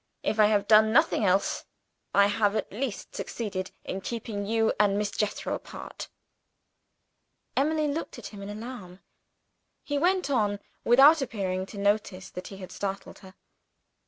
If I have done nothing else, I have at least succeeded in keeping you and Miss Jethro apart." Emily looked at him in alarm. He went on without appearing to notice that he had startled her.